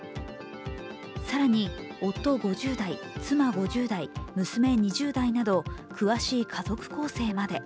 更に、夫５０代、妻５０代、娘２０代など詳しい家族構成まで。